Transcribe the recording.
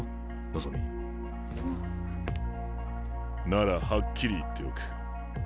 ならはっきり言っておく。